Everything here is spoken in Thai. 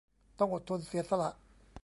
ต้องอดทนเสียสละ